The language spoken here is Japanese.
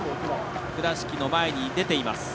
倉敷の前に出ています。